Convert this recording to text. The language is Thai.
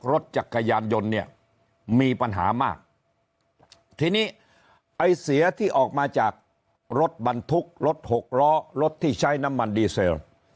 รถจักรยานยนต์เนี่ยมีปัญหามากทีนี้ไอ้เสียที่ออกมาจากรถบรรทุกรถหกล้อรถที่ใช้น้ำมันดีเซล